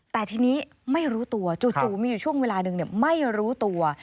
แต่ทีนี้ไม่รู้ตัวจู่มีอยู่ช่วงเวลาหนึ่งไม่รู้ตัว